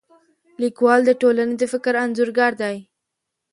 لیکوال د ټولنې د فکر انځورګر دی.